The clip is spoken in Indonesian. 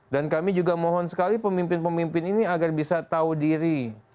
dan kami juga mohon sekali pemimpin pemimpin ini agar bisa tahu diri